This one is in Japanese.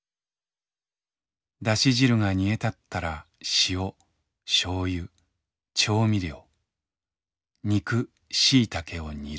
ダシ汁がにえたったら塩しょうゆ調味料肉しいたけをにる。